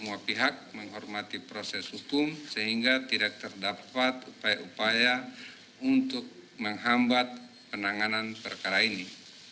kpk juga mengingatkan agar semua pihak menghormati proses hukum sehingga tidak terdapat upaya upaya untuk menghambat penanganan perkara ini